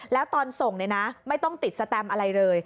แล้วตอนส่งเนี่ยนะไม่ต้องติดสแตมอะไรเลย